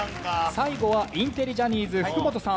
最後はインテリジャニーズ福本さん。